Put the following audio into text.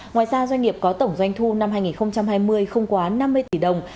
ngoài ra doanh nghiệp có tổng doanh thu năm hai nghìn hai mươi không quá năm mươi tỷ đồng